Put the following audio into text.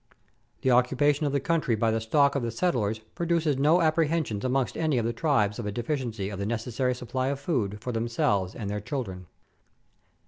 The occupation of the country by the stock of the settlers produces no apprehensions amongst any of the tribes of a deficiency of the necessary supply of food for themselves and their children.